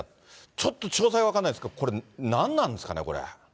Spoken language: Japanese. ちょっと、詳細は分からないですけど、これ、なんなんですかね、これ。